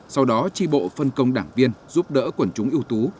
sau đó tri bộ phân công đảng viên giúp đỡ quần chúng ưu tú